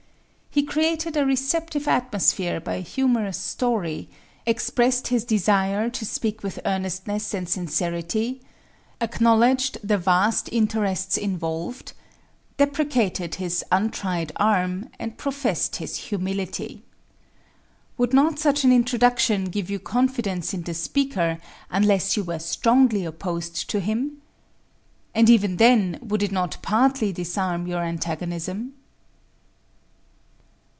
He created a receptive atmosphere by a humorous story; expressed his desire to speak with earnestness and sincerity; acknowledged "the vast interests involved;" deprecated his "untried arm," and professed his humility. Would not such an introduction give you confidence in the speaker, unless you were strongly opposed to him? And even then, would it not partly disarm your antagonism?